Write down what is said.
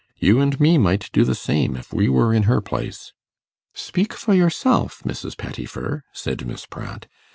You and me might do the same, if we were in her place.' 'Speak for yourself, Mrs. Pettifer,' said Miss Pratt.